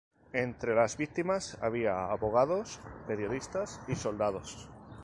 Entre las víctimas había abogados, periodistas y soldados.